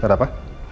ya ada apa